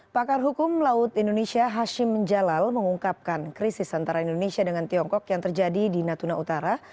pakar hukum laut indonesia hashim jalal mengungkapkan krisis antara indonesia dengan tiongkok yang terjadi di natuna utara